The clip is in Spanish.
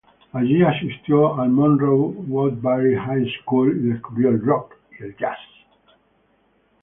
Allí asistió al Monroe-Woodbury High School y descubrió el rock y el jazz.